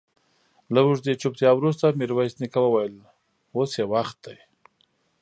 له اوږدې چوپتيا وروسته ميرويس نيکه وويل: اوس يې وخت دی.